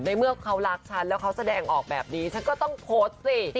เมื่อเขารักฉันแล้วเขาแสดงออกแบบนี้ฉันก็ต้องโพสต์สิ